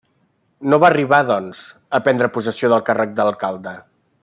No va arribar, doncs, a prendre possessió del càrrec d'alcalde.